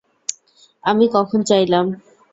আমি কখন চাইলাম?